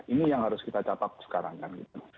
ini yang harus kita catat sekarang kan gitu